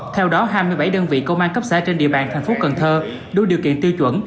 theo đó hai mươi bảy đơn vị công an cấp xã trên địa bàn thành phố cần thơ đủ điều kiện tiêu chuẩn